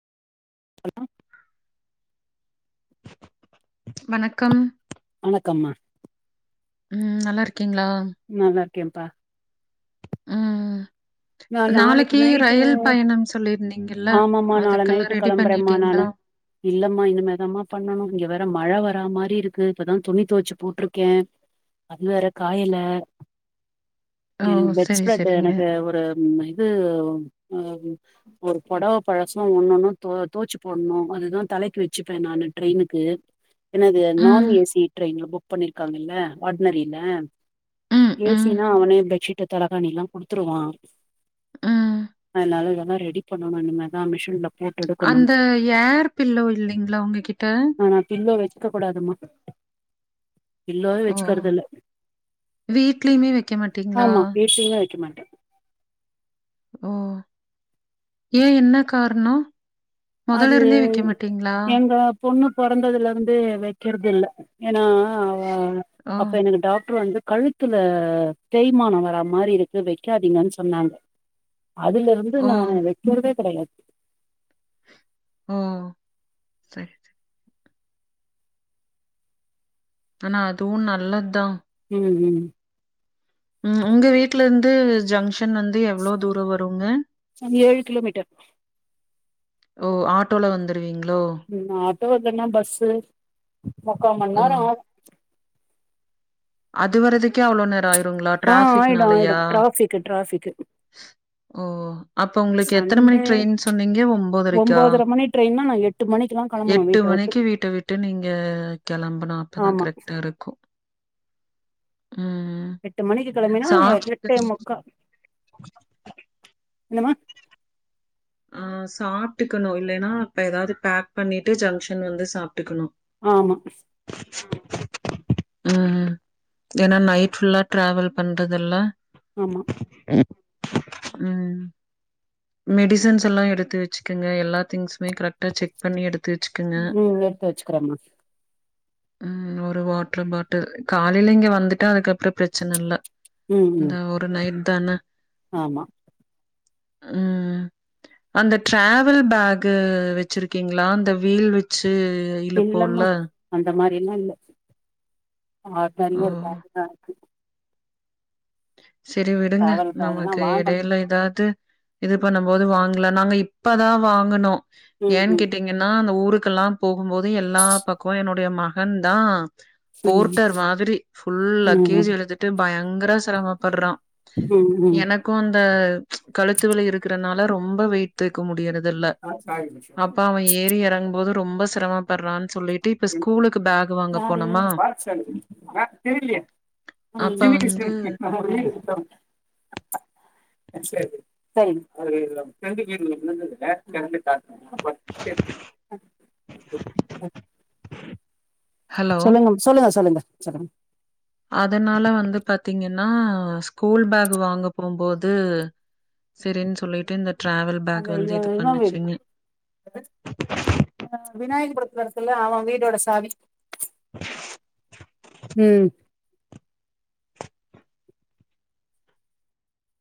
Hello வணக்கம் வணக்கம்மா உம் நல்லா இருக்கீங்ளா நல்லார்க்கேப்பா ம் நா நாளைக்கு நைட்டு ரயில் பயணம் சொல்லியிருந்தீங்கல்ல, ஆமாமா நாள அதுக்கெல்லாம் நைட்டு ரெடி கெளம்புறேம்மா நானு பண்ணிட்டீங்களா? இல்லமா இனிமேதாமா பண்ணணு இங்க வேற மழ வரா மாரி இருக்கு இப்பதான் துணி தொவச்சு போட்ருக்கே அது வேற காயல ஓ! எ சரி, பெட்ஸ்ப்ரெட்டு சரிங்க. எனக்கு ஒரு ம் இது ஒ உ ஒரு பொடவ பழசு ஒண்ணொன்னு தொ தோச்சு போட்ணு அதுதா தலைக்கு வச்சுப்பே நா ட்ரெயினுக்கு என்னது நான் ம், ஏசி டரெயின்ல புக் பண்ணிருக்காங்கல்ல ஆட்னரில ம், ம், ஏசினா அவனே பெட்ஷீட்டு தலகாணிலா குடுத்துருவா ம். அதனால இதல்லா ரெடி பண்ணணு இனிமேதா மிஷின்ல போட்டு எடுக்கணு அந்த ஏர் பில்லோ இல்லிங்களா உங்ககிட்ட ஆனா பில்லோ வெக்க கூடாதுமா பிலோவே ஓ! வெச்சுக்கறது இல்ல வீட்லயுமே வைக்க மாட்டீங்களா? ஆமா வீட்லயுமே வெக்க மாட்டே ஓ ஏன் என்ன கார்ணோ அது மொதலருந்தே வெக்க மாட்டீங்ளா எங்க பொண்ணு பொறந்ததுலர்ந்தே வெக்கற்து இல்ல ஏனா ஆ வ ஓ! அப்ப எனக்கு டாக்டர் வந்து கழுத் த்துல தேய்மானம் வரா மாரி இருக்கு வெக்காதீங்கன்னு சொன்னாங்க அதுலருந்து ஓ! நானு வெக்கர்தே கெடையாது ம் சரி ஆனா அதுவு நல்லத்தா ம் ம் ம் உங்க வீட்லருந்து ஜங்ஷன் வந்து எவ்ளோ தூரோ வருங்க அது ஏழு கிலோமீட்டர் ஓ ஆட்டோல வந்துருவீங்ளோ ம் ஆட்டோ இல்லன்னா பஸ்ஸு ஓ! முக்காமண்ணெரொ ஆகு அது வரதுக்கே அவ்ளோ நேர ஆயிருங்ளா டிராஃபிக்னாலயா க்கு டிராஃபிக்கு ஓ அப்ப உங்களுக்கு எத்தன மணி சண்டே ட்ரெயின் சொன்னீங்க ஒம்போதரைக்கா ஒம்போதர மணி ட்ரெயின்னா நா எட்டு மணிக்குல்லா கெளம்பணு எட்டு வீட்ட மணிக்கு விட்டு வீட்ட விட்டு நீங்க கெளம்பனு அப்பதா ஆமா கரெக்டா இருக்கூ ம் எட்டு மணிக்கு கெளம்பினா சா எட்டே முக்கா என்னமா ஆ சாட்டுக்கணு இல்லேனா இப்ப ஏதாவ்து பேக் பண்ணிட்டு ஜங்ஷன் வந்து சாப்ட்டுக்குணு ஆமா ம் ம் ஏன்னா நைட் ஃபுல்லா ட்ராவல் பண்றதுல்ல ஆமா ம் மெடிஸ் ஸன்ஸ் எல்லா எடுத்து வச்சுக்கங்க எல்லா திங்ஸ்மே கரெக்ட்டா செக் பண்ணி எடுத்து வச்சுக்கங்க ம் எடுத்து வச்சுக்கிறேம்மா ம் ஒரு வாட்ரு பாட்டில் காலைல இங்க வந்துட்டா அதுக்கப்ற பிரச்சனல்ல ம் இந்த ம் ஒரு நைட் தான ஆமா ம் அந்த ட்ராவல் பேகு வச்சிருக்கீங்ளா அந்த வீல் வச்சு இல்லம்மா இழுப்போம்ல. அந்த மாரில்லா இல்ல ஆட்னரி ஓ! ஒரு பேக்தா இருக்கு செரி விடுங்க டிராவல் பேக்ல்லா நமக்கு வாங்கணு இடைல எதாது இது பண்ணம் போது வாங்ல நாங்க இப்பதா வாங்குனோ ம் ஏன்னு ம் கேட்டீ ங்கன்னா அந்த ஊருக்கெல்லா போகும்போது எல்லா பக்கமு என்னுடைய மகன் தா போர்ட்டர் மாதிரி ஃபுல் ம் லக்கேஜ் ம் எடுத்துட்டு பயங்கர செரமப்பட்றா ம் ம் எனக் க்கூ அந்த கழுத்து வலி இருக்குறனால ரொம்ப வெயிட் தூக்க முடியுறதுல்ல அப்ப அவ ஏறி எறங்கும்போது ரொம்ப சிரமப்பட்றான் சொல்லி யாரு அப்ப வந்து [unintelligible] [unintelligible] ஹலோ! சொல்லுங்கம் சொல்லுங்க சொல்லுங்க சொல்லுங்க அதனால வந்து பாத்தீங்கன்னா ஸ்கூல் பேக் வாங்க போம்போது செரின் சொல்லிட்டு இந்த ட்ராவல் அந்த பேக் வந்து இவ இது இவ வீடு பண்ணுச்சுன்னு அ விநாயகபுரத்துல இருக்குல்ல அவ வீடோட சாவி ம்